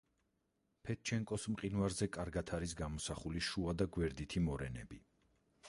ფედჩენკოს მყინვარზე კარგად არის გამოსახული შუა და გვერდითი მორენები.